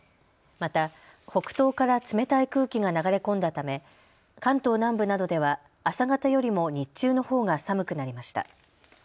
また北東から冷たい空気が流れ込んだため関東南部などでは朝方よりも日中のほうが寒くなりました。